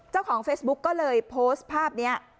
เจ้าของเฟซบุ๊กก็เลยโพสต์ภาพนี้